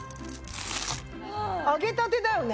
揚げたてだよね？